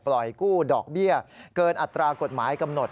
กู้ดอกเบี้ยเกินอัตรากฎหมายกำหนด